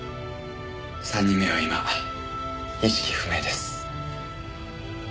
３人目は今意識不明です。